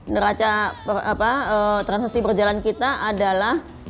neraca transaksi berjalan kita adalah